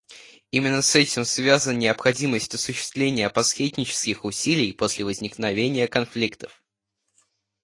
Именно с этим связана необходимость осуществления посреднических усилий после возникновения конфликтов.